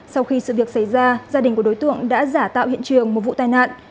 sau khi sự việc xảy ra gia đình của đối tượng đã giả tạo hiện trường một vụ tai nạn